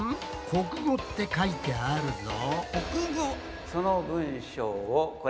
「国語」って書いてあるぞ。